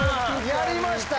やりました！